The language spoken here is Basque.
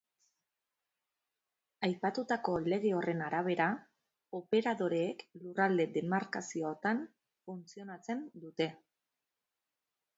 Aipatutako lege horren arabera, operadoreek lurralde-demarkaziotan funtzionatzen dute.